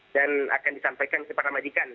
dan akan disampaikan kepada majikan